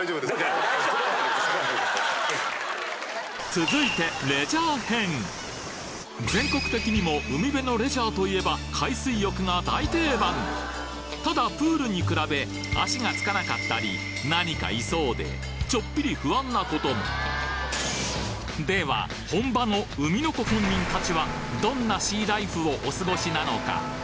続いて全国的にも海辺のレジャーと言えば海水浴が大定番ただプールに比べ足がつかなかったり何かいそうでちょっぴり不安な事もでは本場の海の子県民たちはどんなシーライフをお過ごしなのか？